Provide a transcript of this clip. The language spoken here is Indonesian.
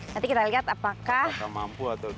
nanti kita lihat apakah mampu dideteksi